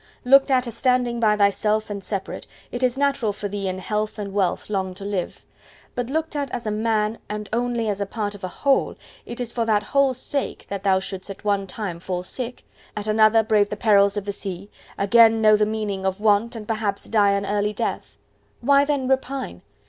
—Looked at as standing by thyself and separate, it is natural for thee in health and wealth long to live. But looked at as a Man, and only as a part of a Whole, it is for that Whole's sake that thou shouldest at one time fall sick, at another brave the perils of the sea, again, know the meaning of want and perhaps die an early death. Why then repine?